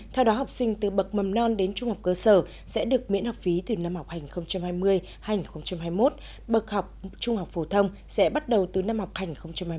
theo đó học sinh từ bậc mầm non đến trung học cơ sở sẽ được miễn học phí từ năm học hành hai mươi hai nghìn hai mươi một bậc học trung học phổ thông sẽ bắt đầu từ năm học hai nghìn hai mươi hai nghìn hai mươi một